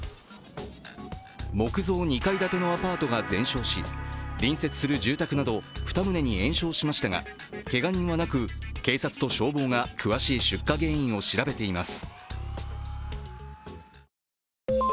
木造２階建てのアパートが全焼し隣接する住宅など２棟に延焼しましたが、けが人はなく、警察と消防が詳しい出火原因を調べています。